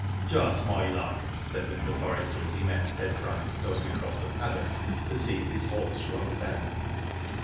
*'Just my luck," said Mr. Forrester, as he met Ted Bryce going across the paddock to see his horse rubbed down.